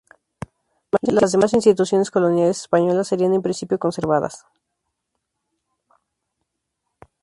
Las demás instituciones coloniales españolas serían en principio conservadas.